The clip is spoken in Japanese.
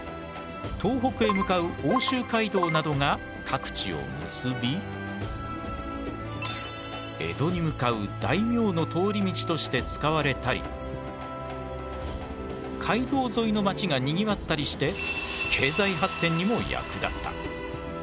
東北へ向かう奥州街道などが各地を結び江戸に向かう大名の通り道として使われたり街道沿いの町がにぎわったりして経済発展にも役立った。